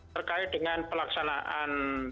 terkait dengan pelaksanaan